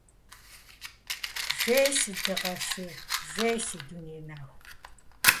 Жей, си дыгъэ шыр, жей, си дуней нэху.